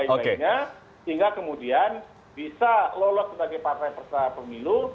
hingga kemudian bisa lolos sebagai partai perserta pemilu